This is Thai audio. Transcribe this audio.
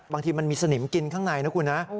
บางทีมันมีสนิมกินข้างในนะคุณนะ